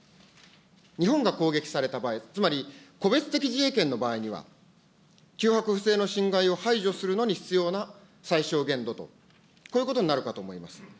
日本が攻撃された場合、つまり個別的自衛権の場合には、ふせいの侵害を排除するのに必要な最小限度の、こういうことになるかと思います。